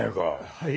はい。